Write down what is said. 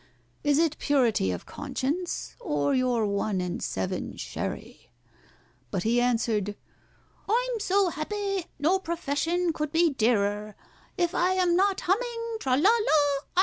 Is it purity of conscience, or your one and seven sherry?" But he answered, "I'm so happy—no profession could be dearer— If I am not humming 'Tra! la! la!